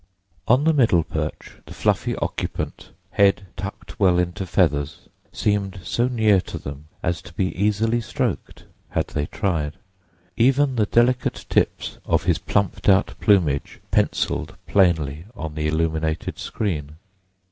On the middle perch the fluffy occupant, head tucked well into feathers, seemed so near to them as to be easily stroked, had they tried; even the delicate tips of his plumped out plumage pencilled plainly on the illuminated screen.